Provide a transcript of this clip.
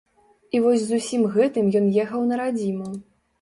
І вось з усім гэтым ён ехаў на радзіму.